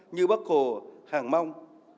như bắc hồ hàng mông